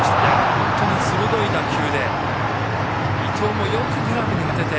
本当に鋭い打球で伊藤もよくグラブに当てて。